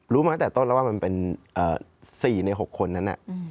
มาตั้งแต่ต้นแล้วว่ามันเป็น๔ใน๖คนนั้น